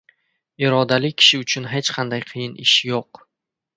Irodali kishi uchun hech qanday qiyin ish yo‘q.